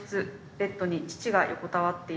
ベッドに父が横たわっている。